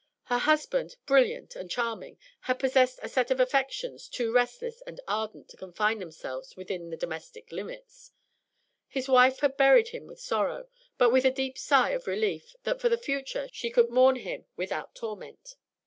Her husband, brilliant and charming, had possessed a set of affections too restless and ardent to confine themselves within the domestic limits. His wife had buried him with sorrow, but with a deep sigh of relief that for the future she could mourn him without torment.